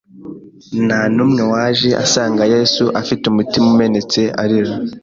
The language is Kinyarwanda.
Nta n'umwe waje asanga Yesu afite umutima umenetse arira